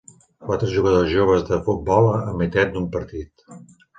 quatre jugadors joves de futbol a meitat d'un partit